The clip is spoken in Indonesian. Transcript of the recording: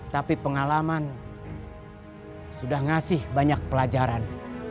tapi pengalaman sudah ngasih banyak pelajaran